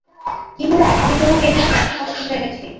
Kimura, আমি তোমাকে এখানে ব্যর্থ হবার জন্য এনেছি।